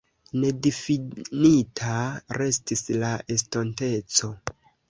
Nedifinita restis la estonteco.